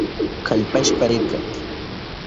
Kallpashpa rirka.